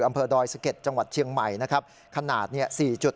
อำเภอดอยสะเก็ดจังหวัดเชียงใหม่นะครับขนาดเนี่ย๔จุด